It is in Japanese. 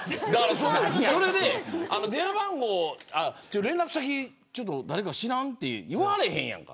それで連絡先誰か知らんって言われへんやん。